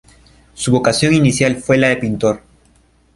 Su vocación inicial fue la de pintor.